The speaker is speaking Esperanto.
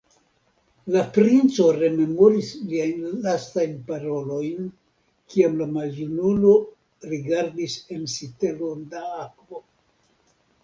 La princo rememoris liajn lastajn parolojn, kiam la maljunulo, rigardis en sitelon da akvo